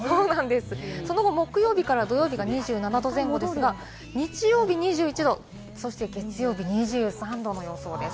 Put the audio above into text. その後、木曜日から土曜日が２７度前後ですが、日曜日２１度、そして月曜日２３度の予想です。